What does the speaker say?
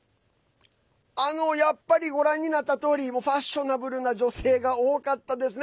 やっぱり、ご覧になったとおりファッショナブルな女性が多かったですね。